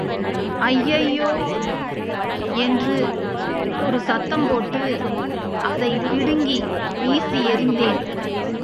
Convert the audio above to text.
ஐயையோ என்று ஒரு சத்தம் போட்டு அதைப் பிடுங்கி வீசியெறிந்தேன்.